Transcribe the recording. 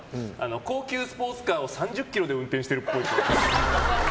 高級スポーツカーを３０キロで運転してるっぽい。